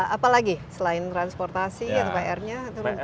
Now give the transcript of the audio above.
apa lagi selain transportasi atau pr nya